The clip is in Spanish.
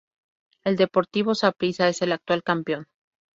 El Deportivo Saprissa es el actual campeón.